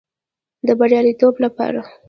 د بریالیتوب لپاره